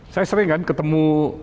saya sering kan ketemu